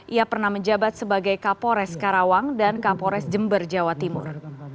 ia pernah menjabat sebagai kapolres karawang dan kapolres jember jawa timur